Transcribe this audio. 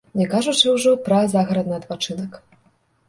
Не кажучы ўжо пра загарадны адпачынак.